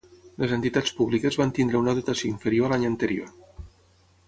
Les entitats públiques van tindre una dotació inferior a l'any anterior.